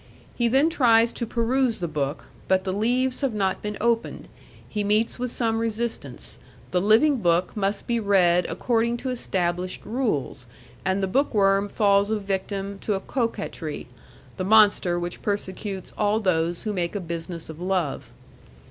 He then tries to peruse the book, but the leaves have not been opened; he meets with some resistance, the living book must be read according to established rules, and the book worm falls a victim to a coquetry, the monster which persecutes all those who make a business of love.